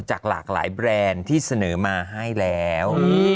จากหลากหลายแบรนด์ที่เสนอมาให้แล้ว